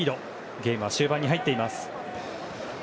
ゲームは終盤に入っています。